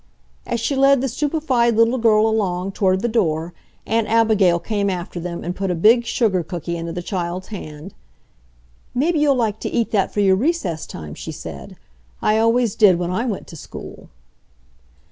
As she led the stupefied little girl along toward the door Aunt Abigail came after them and put a big sugar cookie into the child's hand. "Maybe you'll like to eat that for your recess time," she said. "I always did when I went to school."